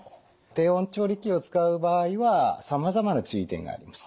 低温調理器を使う場合はさまざまな注意点があります。